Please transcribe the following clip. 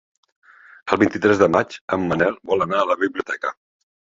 El vint-i-tres de maig en Manel vol anar a la biblioteca.